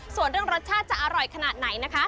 ส่วนเรื่องรสชาติจะอร่อยขนาดไหนนะคะ